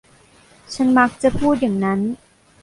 ฉันมักจะพูดอย่างนั้น